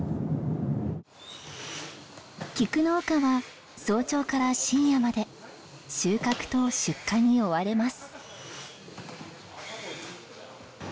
キク農家は早朝から深夜まで収穫と出荷に追われます。